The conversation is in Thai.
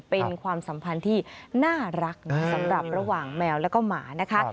เป็นความสัมพันธ์ที่น่ารักสำหรับระหว่างแมวแล้วก็หมานะคะ